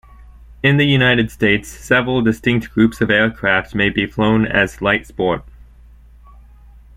In the United States, several distinct groups of aircraft may be flown as light-sport.